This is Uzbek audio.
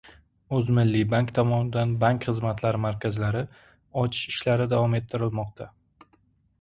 O‘zmilliybank tomonidan «Bank xizmatlari markazlari» ochish ishlari davom ettirilmoqda